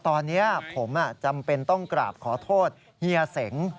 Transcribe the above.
ตอนนี้ผมจำเป็นต้องกราบขอโทษเฮียเสง